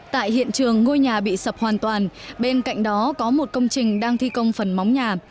tại hiện trường ngôi nhà bị sập hoàn toàn bên cạnh đó có một công trình đang thi công phần móng nhà